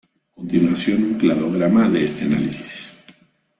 A continuación un cladograma de este análisis.